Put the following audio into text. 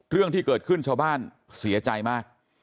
เรื่องที่เกิดขึ้นชาวบ้านเสียใจมาก